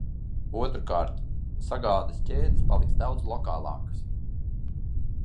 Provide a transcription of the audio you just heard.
Otrkārt – sagādes ķēdes paliks daudz lokālākas.